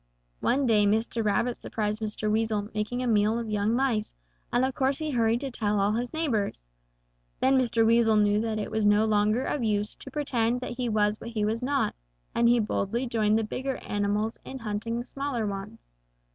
One day Mr. Rabbit surprised Mr. Weasel making a meal of young mice, and of course he hurried to tell all his neighbors. Then Mr. Weasel knew that it was no longer of use to pretend that he was what he was not, and he boldly joined the bigger animals in hunting the smaller ones.